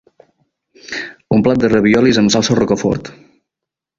Un plat de raviolis amb salsa rocafort.